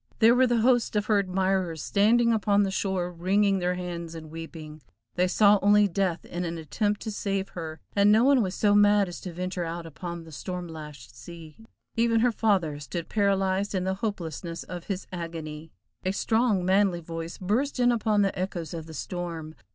There were the hosts of her admirers standing upon the shore wringing their hands and weeping, they saw only death in an attempt to save her, and no one was so mad as to venture out upon the storm lashed sea. Even her father stood paralyzed in the hopelessness of his agony. A strong, manly voice burst in upon the echoes of the storm.